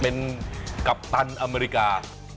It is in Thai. เป็นกัปตันอเมริกา